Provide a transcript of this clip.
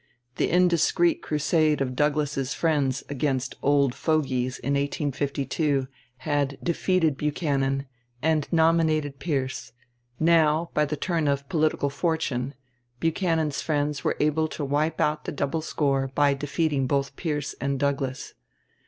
The indiscreet crusade of Douglas's friends against "old fogies" in 1852 had defeated Buchanan and nominated Pierce; now, by the turn of political fortune, Buchanan's friends were able to wipe out the double score by defeating both Pierce and Douglas.